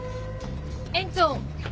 園長。